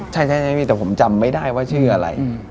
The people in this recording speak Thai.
ใช่มีแต่ผมจำไม่ได้ว่าชื่ออะไร